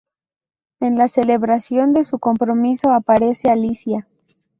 En la celebración de su compromiso, aparece Alicia.